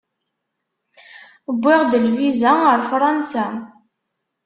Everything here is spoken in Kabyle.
Wwiɣ-d lviza ar Fransa.